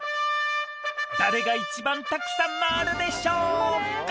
誰が一番たくさん回るでしょうか？